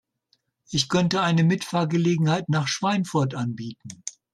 Ich könnte eine Mitfahrgelegenheit nach Schweinfurt anbieten